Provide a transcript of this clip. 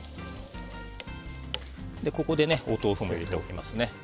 ここでお豆腐も入れておきます。